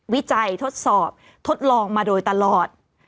วิจัยทดสอบทดลองมาโดยตลอด